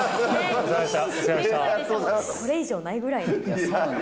これ以上ないぐらい。